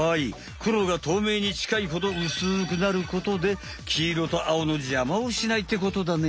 くろがとうめいにちかいほどうすくなることできいろとあおのじゃまをしないってことだね。